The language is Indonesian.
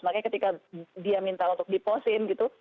makanya ketika dia minta untuk dipost in gitu